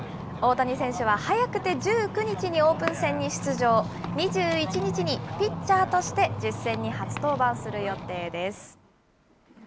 大谷選手は早くて１９日にオープン戦に出場、２１日にピッチャーとして実戦に初登板する予定です。